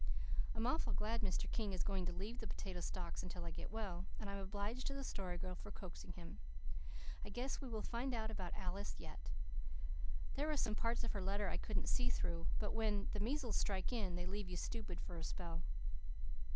I'm awful glad Mr. King is going to leave the potato stalks until I get well, and I'm obliged to the Story Girl for coaxing him. I guess she will find out about Alice yet. There were some parts of her letter I couldn't see through, but when the measles strike in, they leave you stupid for a spell.